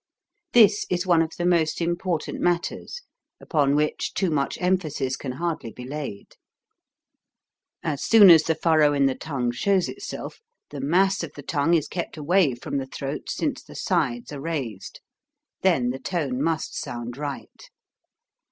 This is one of the most important matters, upon which too much emphasis can hardly be laid. As soon as the furrow in the tongue shows itself, the mass of the tongue is kept away from the throat since the sides are raised. Then the tone must sound right.